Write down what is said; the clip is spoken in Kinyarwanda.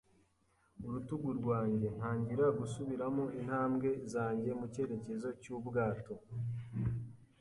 urutugu rwanjye, ntangira gusubiramo intambwe zanjye mu cyerekezo cy'ubwato.